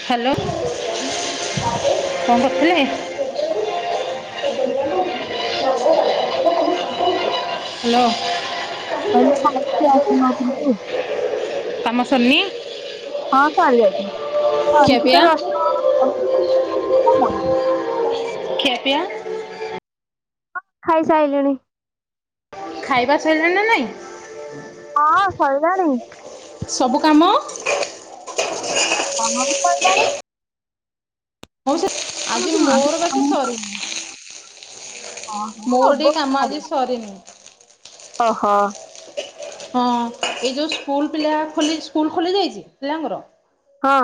Hello କଣ କରୁଥିଲେ? [inaudible] Hello. କହିଲେ ଖାଉଛି ଆସନୁ କାମ ସରିନି? ହଁ ସରିଯାଇଛି ସାରିଛି ତ ଖିଆପିଆ ଜଷ୍ଟ ମୋ ମନ। ଦେୟା ହଁ ଖାଇ ସାରିଲିଣି। ଖାଇବା ସରିଲା ନା ନାଇଁ? ହଁ ସରିଲାଣି। ସବୁ କାମ। କମ ବି ପଇଲାଣି। ହଉ ହଁ ଆଜି ହବ ମୋର ଆଉ। ବାକି ସରିନି। ମୋର ଟିକ କାମ ଆଜି ସରିନି। ଓହୋ। ହଁ ଏଇ ଯୋଉ ସ୍କୁଲ ପିଲା ଖୋଲି ସ୍କୁଲ ଖୋଲି ଯାଇଛି ପିଲାଙ୍କର। ହଁ।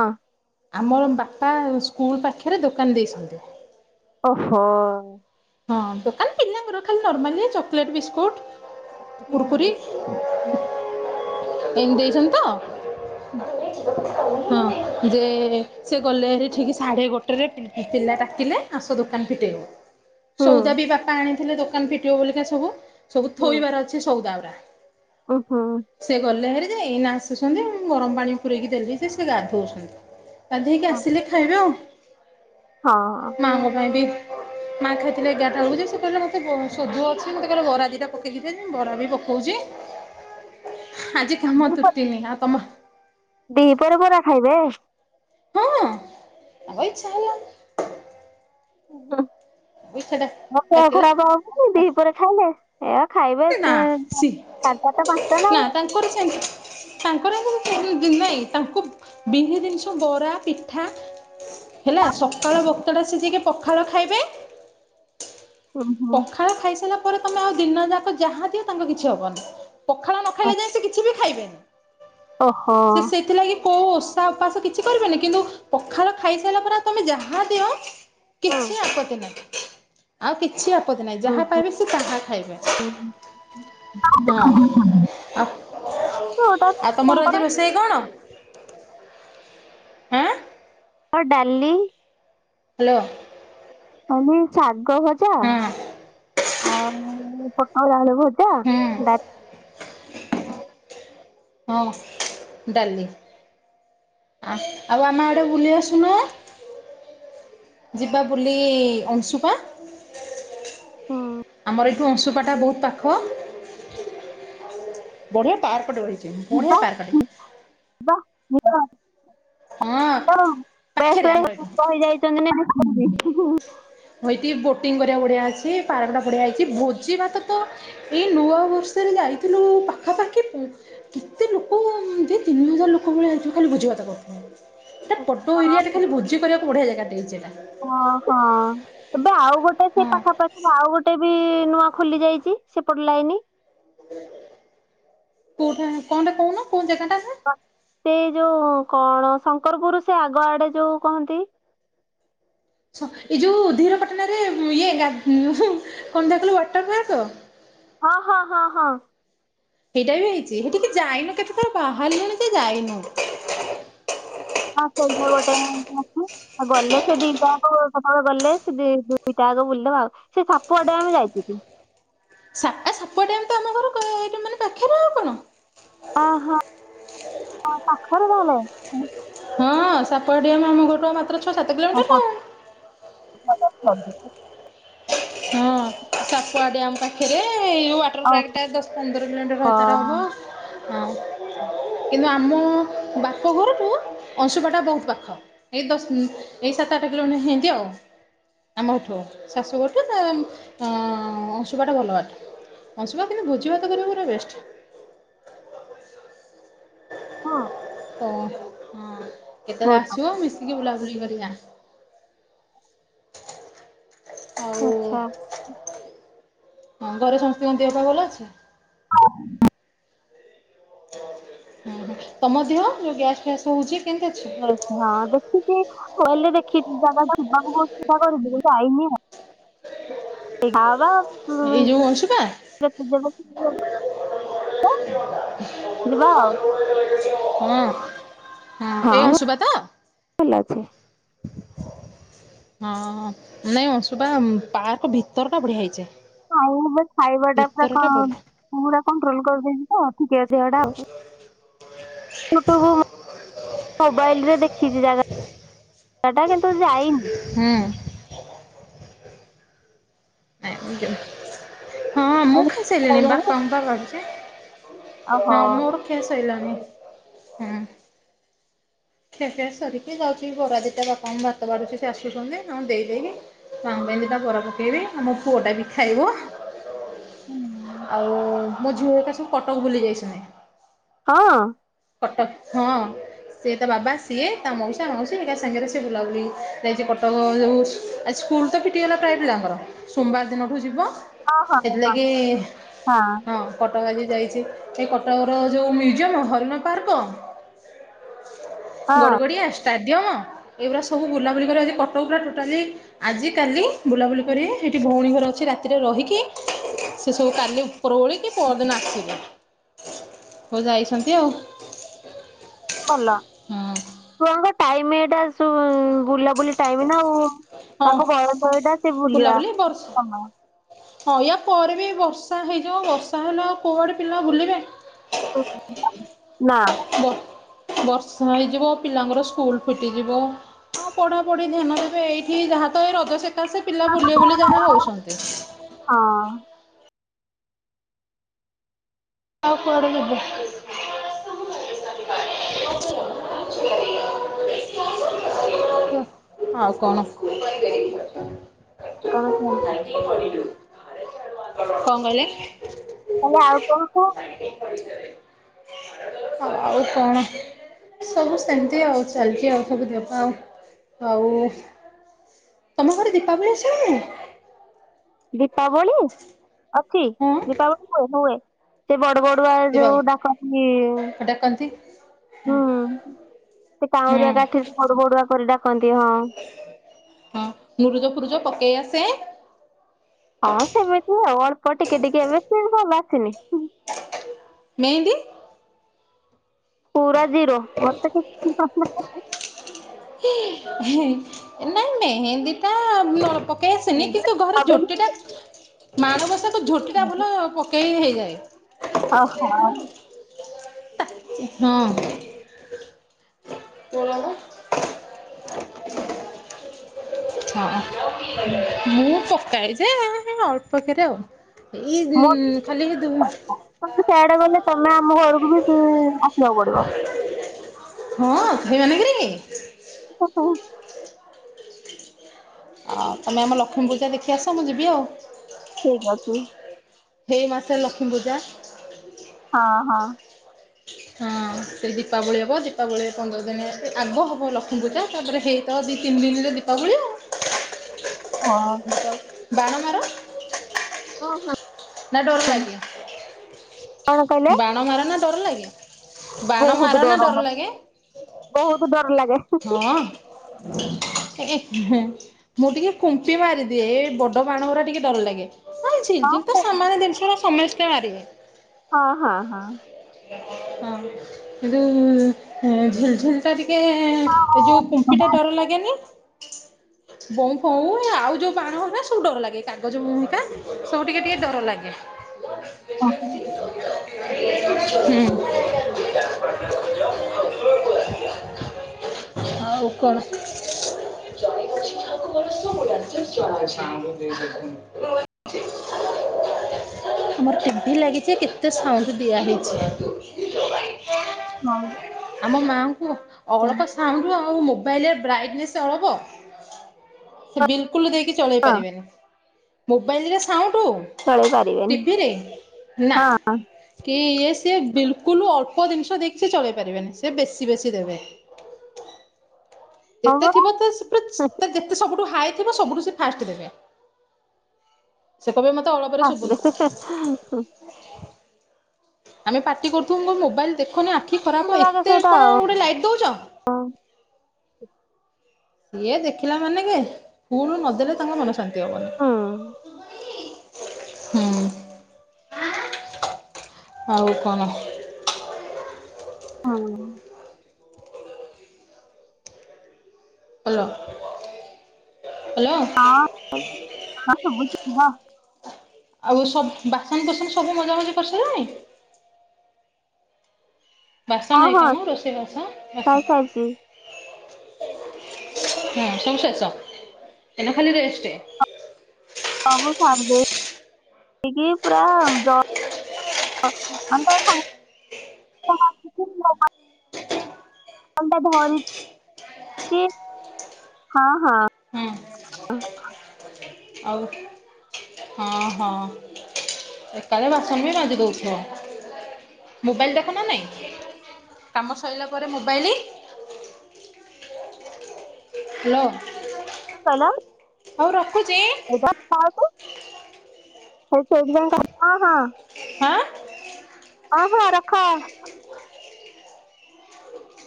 ଆମ ବାପା ସ୍କୁଲ ପାଖରେ ଦୋକାନ ଦେଇଛନ୍ତି। ଓହୋ। ହଁ ଦୋକାନ ପିଲାଙ୍କର ଖାଲି ନର୍ମାଲି ଚକୋଲେଟ୍ ବିସ୍କୁଟ କୁରକୁରି। ଏ ଦେଇଛନ୍ତି ତ ହଁ ଯେ ସେ ଗଲେ ଠିକ ସାଢେ ଗୋଟେରେ ପିଲା ଡାକିଲେ ଆସ ଦୋକାନ ଫିଟେଇବ। ହୁଁ ସଉଦା ବି ବାପା ଆଣିଥିଲେ ଦୋକାନ ଫିଟିବ ବୋଲିକା ସବୁ ସବୁ ଥୋଇବାର ଅଛି ସଉଦା ଗୁଡା। ଓହୋ। ସେ ଗଲେ ହେରି ଯେ ଏଇନା ଆସୁଛନ୍ତି ମୁଁ ଗରମ ପାଣି ପୁରରେଇକି ଦେଲି ସେ ଗାଧଉଛନ୍ତି। ଗାଧେଇକି ଆସିଲେ ଖାଇବେ ଆଉ ହଁ। ମାଙ୍କ ପାଇଁ ବି ମା ଖାଇଥିଲେ ଏଗାରଟା ବେଳୁଛି ସେ କହିଲ, ମୋତେ ସୋଧ ଅଛି ମୋତେ କହିଲେ ବରା ଦୁଇଟା ପକିିବେ ମୁ ବରା ବି ପକଉଛି। ଆଜି କାମ ତ ତୁଟିନି ଆଉ ତମର ଦି ପରେ ପରା ଖାଇବେ। ହଁ ତାଙ୍କ ଇଚ୍ଛା ହେଲା। ଇଚ୍ଛା ଦେହ ଖପରା ହବନି ଡାକିଲା ଦିପରେ ଖାଇଲେ। ଏ ଖାଇବେ ନା ଖା ତ ପାଞ୍ଚ ନା ଆଉ। କରିଛନ୍ତି। ତାଙ୍କର ନାଇଁ ତାଙ୍କୁ ବିରି ଜିନିଷ ବରା ପିଠା ହେଲା ସକାଳ ବକ୍ତଟା ସିଝିକି ପଖାଳ ଖାଇବେ। ଉଁ ହୁଁ। ଖାଳ ଖାଇସାରିଲା ପରେ ତମେ ଆଉ ଦିନ ଯାକ ଯାହା ଦିଅ ତାଙ୍କ କିଛି ହବନି। ପଖାଳ ନ ଖାଇଲେ ଯାଏଁ ସେ କିଛି ବି ଖାଇବେନି। ସିଏ ଓହୋ। ସେଇଥିଲାଗି କୋଉ ଓଷା ଉପାସ କିଛି କରିବେନି। କିନ୍ତୁ ପଖାଳ ଖାଇସାରିଲା ପରେ ଆଉ ତୋମେ ଯାହା ଦିଅ ହଁ କିଛି ଆପତ୍ତି ନାହିଁ। ଆଉ କିଛି ଆ ଆପତ୍ତି ନାହିଁ, ଓ ଯାହା ହୋ ପାଇବେ ସିଏ ତାହା ଖାଇବେ। ହଁ ଆ, ଆଉ ତୋମର ଆଜି ରୋଷେଇ କଣ? ଆଁ ଓ ଡାଲି ହ୍ୟାଲୋ। ଆଉ ମେ ଶାଗ ଭଜା, ହଁ ଆଉ ପୋଟଳ ଆଳୁ ଭ ଜା ହୁଁ ଡା [inaudible] ହଁ ଡାଲି ଆ, ଆଉ ଆମ ଆଡ଼େ ବୁଲି ଆସୁନ। ଯିବା ବୁଲି ଅଂଶୁପା। ହୁଁ ଆମର ଏଇଠୁ ଅଂଶୁପା ଟା ବହୁତ ପାଖ। ବଢ଼ିଆ ପାର୍କ ରହିଛି। ବଢିଆ ପାର୍କ ଟେ। ବାଃ ଭୁ ହଁ [inaudible] ପାଖରେ ଆମର ଏଇଠୁ ସେମାନେ ବହୁତ ଖୁସି। ହୋଇଟି ବୋଟିଂ କରିବାକୁ ବଢ଼ିଆ ଅଛି। ପାର୍କଟା ବଢ଼ିଆ ହେଇଛି। ଭୋଜି ଭାତ ତ ଏଇ ନୂଆ ବର୍ଷରେ ଯାଇଥିଲୁ ପାଖାପାଖି ପ କେତେ ଲୋକ ଦେ ତିନି ହଜାର ଲୋକ ଭଳିଆ ହେଇଥିବ ଖାଲି ଭୋଜି ଭାତ କର [inaudible] ଟା ବଡ ଏରିଆ ଟା ଖାଲି ଭୋଜି କରିବାକୁ ବଢ଼ିଆ ଜାଗା ଟେ ଦେଇଚି ଏଟା। ଓ ହଁ ତେବେ ଆଉ ଗୋଟେ ସେ ହଁ ପାଖାପାଖି ଆଉ ଗୋ ଟେ ବି ନୂଆ ଖୋଲି ଯାଇଚି ସେପଟେ ଲାଇନି। କୋଉଠା କଣ ଟା କହୁନ କୋଉ ଜାଗା ଟା ଏଠା? ସେଇ ଯୋଉ କଣ ଶଙ୍କରପୁର ସେ ଆଗ ଆଡେ ଯୋଉ କହନ୍ତି? ହଁ ଏଇ ଯୋଉ ଧୀରପାଟଣାରେ ଉଁ, ଇଏ ଗା-କଣ ଟା କହିଲ ୱାଟର୍ ପାର୍କ? ହଁ, ହଁ, ହଁ, ହଁ। ସେଇଟା ବି ହେଇଛି। ସେଠିକି ଯାଇନୁ କେତେ ଥର ବାହାରିଲୁଣି ଯେ ଯାଇନୁ। ହଁ ସେଇଠି ଗୋଟେ [inaudible] ଅଛି। ଅ, ଗଲେ ସେ ଦି ଜଣଙ୍କୁ ସେତେବେଳେ ଗଲେ ସେ ଦି ଦିଟା ଆଗ ବୁଲି ଦବା। ସେ ସାପୁଆ ଡେମେ ଆମେ ଯାଇଥିଲୁ। ସା ଏ ସାପୁଆ ଡ୍ୟାମ୍ ତ ଆମ ଘର କ-ଏଇଟି ମାନେ ପାଖରେ ଆଉ କଣ। ଅଁ, ହଁ, ହଁ ପାଖରେ ତାହେଲେ? ହଁ ସାପୁଆ ଡ୍ୟାମ୍ ଆମ ଘରଠୁ ଆଉ ମାତ୍ର ଛଅ ସାତ ଓହୋ କିଲୋମିଟର। [inaudible] ହଁ, ସାପୁଆ ଡ୍ୟମ୍ ପାଖରେ। ଏଇ ଯୋଉ ୱାଟର୍ ପାର୍କ ଟା ଦଶ ପନ୍ଦର କିଲୋମିଟର ଭେତରେ ହବ। ହଁ। କିନ୍ତୁ ଆମ ବାପ ଘରଠୁ ଅଂଶୁପା ଟା ବହୁତ ପାଖ। ଏଇ ଦଶ ଉଁ, ଏଇ ସାତ ଆଠ କିଲୋମିଟର ହେନ୍ତି ଆଉ। ଆମଠୁ ଶାଶୁଘରୁ ଏ, ମ-ଅଁ, ଅଂଶୁପା ଟା ଭଲ ବାଟ। ଅଂଶୁପା କିନ୍ତୁ ଭୋଜିଭାତ କରିବାକୁ ପୁରା ବେଷ୍ଟ। ହଁ। ଅଁ, ହଁ କେତେବେଳେ ବହୁତ ଆସିବ ମିଶିକି ବୁଲାବୁଲି କରିବା। ଆଉ ଆଚ୍ଛା। ହଁ ଘରେ ସମସ୍ତିଙ୍କ ଦେହ ପା ଭଲ ଅଛି? ହଁ ହଁ, ହଁ, ତୋମ ଦିହ ଯୋଉ ଗ୍ୟାସ ଫ୍ୟାସ୍ ହଉଛି କେମତି ଅଛି? ଏ ହଁ ଦେଖିଚି। ମୋବାଇଲ୍ ରେ ଦେଖିଚଛି ଜାଗା ଟା ଯିବାକୁ ବହୁତ ଇଚ୍ଛା କରୁଛି। ଯାଇନି [inaudible] ହଁ ବା। ଏଇ ଯୋଉ ଅଂଶୁପା? [inaudible] ଯିବା। ହଁ, ହଁ ଏଇ ଅଂଶୁପା ତ? ଖଲାଅଚ୍ଛି। ହଁ ନାଇଁ ଅଂଶୁପାପାର୍କ ଭିତର ଟା ବଢିଆ ହେଇଛି। ଆଉ ହ ଖାଇବା ଟା ପୁରା କ ଭିତରଟା ପୁରା କଣ୍ଟ୍ରୋଲ କରିଦେଇଛି ତ ଟିକେ ଦେହଟା। ହ ଆଉ। [inaudible] [unintelligible] ମୋବାଇଲ ରେ ଦେଖିଛି ଜାଗା। ସେଟା କିନ୍ତୁ ଯାଇନି ହୁ। ହଁ ମୁଁ ଓହୋ ଖାଇସାରିଲଣିି ହଁ। ବାପାଙ୍କ ପା କରୁଛି। ହଁ ମୋର ଖିଆ ସଇଲାନି ହୁଁ। ଖିଆପିଆ ସାରିକି ଯାଉଛି ବରା ଦିଟା ବାପାଙ୍କୁ ଭାତ ବାଢୁଛି ସେ ଆସୁଛନ୍ତି ତାଙ୍କୁ ଦେଇଦେଇକି ତାଙ୍କ ପାଇଦିଟା କରା ପକେଇବି ଆମ ପୁଅ ଟା ବି ଖାଇବ ଉ ଆଉ ମୋ ଝିଅ କା ସବୁ କଟକ ବୁଲି ଯାଇଛନ୍ତି। ହଁ। କଟକ ହଁ ସିଏ ତା ବାବା ସିଏ ତା ମଉସା ମଉସୀ ଏକା ସାଙ୍ଗରେ ସିଏ ବୁଲାବୁଲି ଯାଇଛି କଟକ ଯଉ ଆଛ ସ୍କୁଲ ତ ଫିଟିଗଲା ପ୍ରାୟ ପିଲାଙ୍କର ସୋମବାର ଦିନଠୁ ଯିବ ହଁ ହଁ ସେଥିଲାଗି ହଁ କଟକ ଆଜି ଯାଇଛି ଏ କଟକର ଯେଉଁ ମ୍ୟୁଜିୟମ୍, ହରିଣ ପାର୍କ ଗଡ ହଁ। ଗଡିଆ ଷ୍ଟାଡିଅମ ଏଇଗୁରା ସବୁ ବୁଲାବୁଲି କରି ଆସି କଟକ ପୁରା ଟୋଟାଲି ଆଜି କାଲି ବୁଲାବୁଲି କରିକି ସେଇଠି ଭଉଣୀ ଘର ଅଛି ରାତିରେ ରହିକି ସେ ସବୁ କାଲି ପ୍ର ଓଳି କି ପରଦିନ ଆସିବି ହଉ ଯାଇଛନ୍ତି ଆଉ କଲା ହଁ ଛୁଆଙ୍କ ଟାଇମ ଏଇଟା ଶୁ ଉ ବୁଲାବୁଲି ଟାଇମ ନା ଆଉ ହଁ ତାକୁ ବୟସ ଏଇଟା ସେ ବୁଲିବା ବୁଲାବୁଲି ବର୍ଷା କାମ ହଁ ୟା ପରେ ବି ବର୍ଷା ହେଇଯିବ ବର୍ଷା ହେଲେ ଆଉ କୁଆଡ଼େ ପିଲା ବୁଲିବେ। [unintelligible] ନା ବ ବର୍ଷା ହେଇଯିବ ପିଲାଙ୍କର ସ୍କୁଲ ଫିଟିଯିବ ହଁ ପଢ଼ାପଢ଼ି ଧ୍ୟାନ ଦେବେ ଏଇଠି ଯାହା ତ ଏ ରଜସକାଶେ ପିଲା ବୁଲିବେ ବୁଲି ଯାହା ହେଉଛନ୍ତି। ହଁ ଆଉ କୁଆଡେ ଯିବେ [unintelligible] [unintelligible] ହଁ ଆଉ କଣ? [unintelligible] କଣ କୁହନ୍ତୁ [unintelligible] କଣ କହିଲେ? ତାହେଲେ ଆଉ କଣ କ ଆ ଆଉ କଣ? ସବୁ ସେମିତି ଆଉ ଚାଲିଛି ଆଉ ସବୁ ଦେହ ପା ଆଉ ଆଉ ତମ ଘରେ ଦୀପାବଳି ଅଛି ନା ନାହିଁ? ଦୀପାବଳି ଅଛି ହଁ ଦୀପାବଳି ହୁଏ ହୁଏ। ସେ ବଡ ବଡୁଆ ଯୋଉ ଦୀପାବଳି ଡାକନ୍ତି ଡାକନ୍ତି। ହୁଁ, ସେ ହୁଁ କାଉଁରିଆ କାଠିରେ ବଡୁ ବଡୁଆ କରି ଡାକନ୍ତି ହଁ ହଁ ମୁଁରୁଜ ଫୁରୁଜ ପକେଇ ଆସେ? ହଁ ସେମିତି ଆଉ ଅଳ୍ପ ଟିକେ ଟିକେ ଏବେ କିଣିବଲେ ଆଉ ଆସିନି। ମେହେନ୍ଦି ପୁରା ଜିରୋ ମଟେ [unintelligible] ନାଇ ମେହେନ୍ଦୀ ଟା ଅଳପ [unintelligible] ସେମିତି ତ ଘରେ ଝୋଟି ଟା ମାଣବସାକୁ ଝୋଟିଟା ଭଲ ପକେଇ ହେଇଯାଏ ଓହୋ। ହଁ। [unintelligible] ହଁ, ମୁଁ ପକାଏ ଯେ ଅଳ୍ପ କେରେ ଆଉ। ଏଇ ମୋ, ଖାଲି ସେଆଡ଼େ ଗଲେ ତମେ ଆମ ଘରକୁ ବି ଆସିବାକୁ ପଡିବ। ହଁ ହେଇ ମାନେ କିରେ [unintelligible] ଆଉ ତୁମେ ଆମ ଲକ୍ଷ୍ମିପୁଜା ଦେଖି ଆସ, ମୁଁ ଯିବି ଆଉ। ଠିକ୍ ଅଛି। ହେଇ ମାସେ ଲକ୍ଷ୍ମୀ ପୂଜା। ହଁ ହଁ। ହଁ ସେ ଦୀପାବଳି ହବ। ଦୀପାବଳିରେ ପନ୍ଦର ଦିନି, ଆଗ ହବ ଲକ୍ଷ୍ମୀ ପୂଜା ତାପରେ ହେଇ ତ ଦି ତିନି ଦିନିରେ ଦୀପାବଳୀ ଆଉ। ହଁ। ବାଣ ମାର ହଁ ହଁ। ନା ଡର ଲାଗେ। କଣ କହିଲେ? ତାକୁ ମାରନା ଡର ଲାଗେ। ବାଣ ବହୁତ ମାର ନା ଡର ମତେ ଲାଗେ? ବହୁତ ଡର ଲାଗେ ହଁ। [unintelligible] ମୁଁ ଟିକେ କୁମ୍ପି ମାରିଦିଏ। ଏ ବଡ଼ ବାଣ ଗୁରା ଟିକେ ଡର ଲାଗେ। ହଁ, ଝିରି ଝିରି ତ ସାମାନ୍ୟ ଜିନିଷରା ସମସ୍ତେ ମାରିବେ। ହଁ ହଁ ହଁ। ହଁ, ଯୋଉ ଝିରି ଝିରି ଏଟା ଟିକେ ଯୋଉ କୁମ୍ପି ଟା ଡର ଲାଗେନି ବଉଁ ଫଉଁ ଆଉ ଯୋଉ ବାଣ ହେରା ସବୁ ଡର ଲାଗେ। କାଗଜ ଭୂମିକା ସବୁ ଟିକେ ଟିକେ ଡର ଲାଗେ। ଓହୋ। ହୁଁ। ଆଉ କଣ? [unintelligible] ଆମର ଟିଭି ଲାଗିଛି, କେତେ ସାଉଣ୍ଡ ଦିଆ ହେଇଛି। ହଁ। ଆମ ମାଆଙ୍କୁ ଅଳପ ସାଉଣ୍ଡୁ ଆଉ ମୋ ବାଇଲ୍, ରେ ବ୍ରାଇଟନେସ୍ଳ ଅଫ୍, ସେ ବିଲ୍ କୁଲ୍ ଦେଇକି ଚଳେଇ ହଁ ପାରିବେନି। ମୋବାଇଲ୍ ରେ ସାଉଣ୍ଡ ଚଳେଇ ପାରିବେନି। ଟିଭିରେ ନା। ହଁ, ହଁ। କି ଇଏ ସିଏ ବିଲ୍ କୁଲ୍ ଅଳ୍ପ ଜିନିଷ ଦେଇକି ସେ ଚଳେଇ ପାରିବେନି। ସେ ବେଶୀ ବେଶୀ ଦେବେ। ହଁ ଯେତେ ଥିବ ତ, ସେ ପରା ପୁରା ଯେତେ ସବୁଠୁ ହାଏ ଥିବ ସବୁଠୁ ସେ ଫାଷ୍ଟ ଦେବେ। ସେ କହିବେ ମତେ ଅଳପରେ ଶୁଭୁନି। ହୁଁ ହୋ। ଆମେ ପାର୍ଟି କରୁଥିବୁ, ମୁଁ କହିବି ମୋବାଇଲ୍ ଦେଖନି ଆଖି ଭଲ ଖରାପ ହବ, ଲାଗେ ଏତେ ସେଇଟା କଣ ଆଉ ଗୋଟେ ଲାଇଟ୍ ଦଉଛ। ଇଏ ଦେଖିଲା ମାନେକେ ଫୁଲ୍ ନଦେଲେ ତାଙ୍କ ମନ ଶାନ୍ତି ହବନି। ହୁଁ। ହଁ। ଆଉ କଣ? ହଁ। Hello, hello. ହଁ, ହଁ ଶୁଭୁଛି କୁହ? ଆଉ ସବୁ, ବାସନ କୁସନ ସବୁ ମଜା ମୁଜି କରିସାରିଲଣି? ହଁ ବାସନ ଏଇ ହଁ କାମ ରୋଷେଇ ବାସ ସାରି ବାସ ସାରିଚି। ହଁ ସବୁ ଶେଷ। ଏନା ଖାଲି ରେଷ୍ଟ। ସବୁ ସାରିଦେଇକି ପୁରା ଜ [unintelligible] ଧରିଚି ହଁ ହଁ। ହୁଁ। ଆଉ। ହଁ ହଁ ଏକାବେଳେ ବାସନ ବି ମାଜି ଦେଉଥିବ। ମୋବାଇଲ ଦେଖ ନା ନାଇଁ କାମ ସରିଲା ପରେ ମୋବାଇଲ? ହ୍ୟାଲୋ। କଣ କହିଲ? ହଉ ରଖୁଛି ଏଇତ [unintelligible] ସେଇଥିପାଇଁ ହଁ ହଁ। ହଁ। ହଁ ହଁ ରଖ।